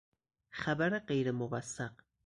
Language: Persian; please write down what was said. خبر غیر موثق